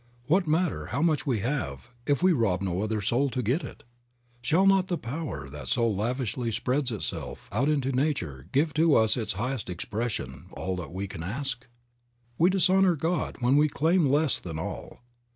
What matter how much we have, if we rob no other soul to get it? Shall not the Power that so lavishly spreads Itself out into nature give to us Its highest expression, all that we can ask? We dishonor God when we claim less than all.